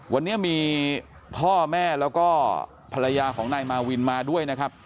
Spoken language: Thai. วันนี้มีพ่อแม่แล้วก็ภรรยาของนายมาวินมาด้วยนะครับ